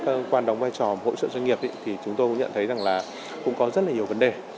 các cơ quan đóng vai trò hỗ trợ doanh nghiệp